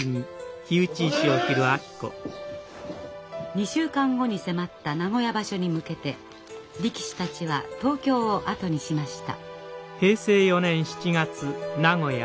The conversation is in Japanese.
２週間後に迫った名古屋場所に向けて力士たちは東京を後にしました。